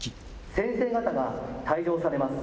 先生方が退場されます。